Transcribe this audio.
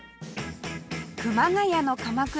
熊谷の鎌倉